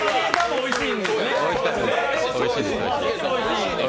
おいしいんですね。